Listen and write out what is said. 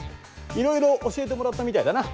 いろいろ教えてもらったみたいだな。